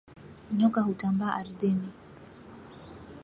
Nyoka hutambaa ardhini